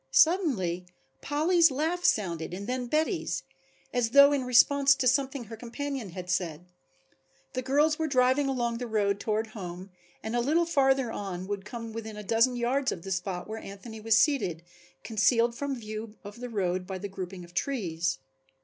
Suddenly Polly's laugh sounded and then Betty's, as though in response to something her companion had said. The girls were driving along the road toward home and a little farther on would come within a dozen yards of the spot where Anthony was seated, concealed from view of the road by the grouping of trees.